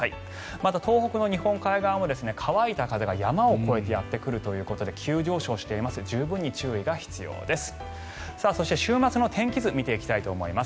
また、東北の日本海側も乾いた風が山を越えてやってくるということで急上昇しています。